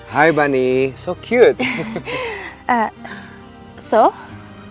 hai bunny keren banget